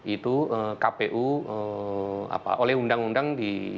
itu kpu oleh undang undang di